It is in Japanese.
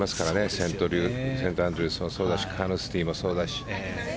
セントアンドリュースもそうだしカーヌスティもそうだし。